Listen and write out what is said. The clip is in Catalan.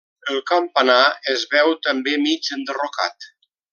El campanar es veu també mig enderrocat.